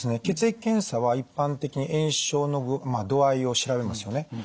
血液検査は一般的に炎症の度合いを調べますよね。